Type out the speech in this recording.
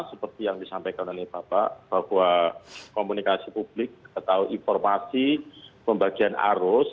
seperti yang disampaikan oleh bapak bahwa komunikasi publik atau informasi pembagian arus